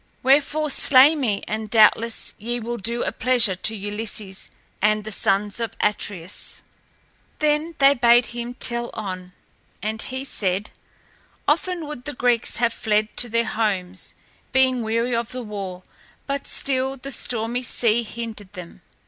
Wherefore slay me and doubtless ye will do a pleasure to Ulysses and the sons of Atreus." Then they bade him tell on, and he said: "Often would the Greeks have fled to their homes, being weary of the war, but still the stormy sea hindered them.